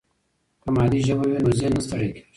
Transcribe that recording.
که مادي ژبه وي نو ذهن نه ستړی کېږي.